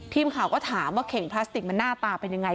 ทีมข่าวก็ถามว่าเข่งพลาสติกมันหน้าตาเป็นยังไง